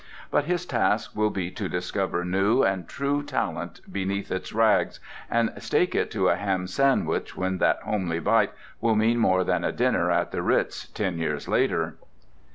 But his task will be to discover new and true talent beneath its rags, and stake it to a ham sandwich when that homely bite will mean more than a dinner at the Ritz ten years later.